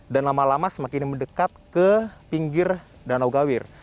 dan lama lama semakin mendekat ke pinggir danau gawir